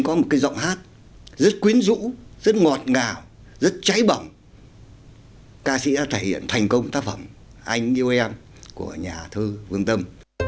chương trình tác phẩm anh yêu em sẽ thể hiện thành công tác phẩm anh yêu em của nhà thư vương tâm